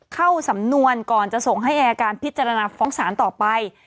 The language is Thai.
เข้าสำนวนก่อนจะส่งให้อายการพิจารณาฟ้องศาลต่อไป